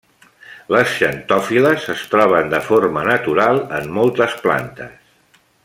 Les xantofil·les es troben de forma natural en moltes plantes.